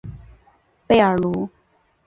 贝尔卢。